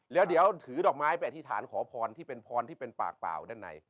แล้วเดี๋ยวถือดอกไม้ไปอธิษฐานขอพรที่เป็นพรที่เป็นปากเปล่าด้านใน